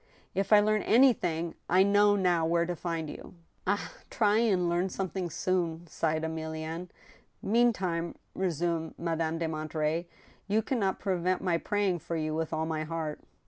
" If I learn anything, I know now where to fihd you —*'" Ah ! try and learn something soon," sighed Emilienne. '" Meantime," resumed Madame de Monterey, " you can not pre veat my praying for you with all my heart."